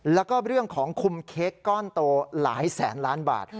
แล้วก็เรื่องของคุมเค้กก้อนโตหลายแสนล้านบาท